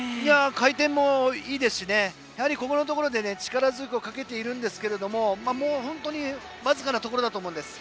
回転もいいですしやはり、ここのところで力強くかけているんですけれども本当に僅かなところだと思います。